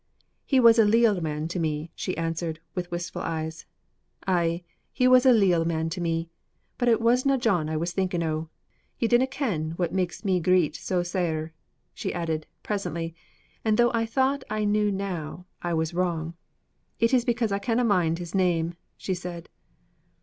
"He was a leal man to me," she answered with wistful eyes, "ay, he was a leal man to me but it wasna John I was thinking o'. You dinna ken what makes me greet so sair," she added, presently, and though I thought I knew now I was wrong. "It's because I canna mind his name," she said.